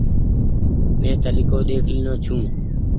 مين تريڪو ۮيک لينو ڇون ۔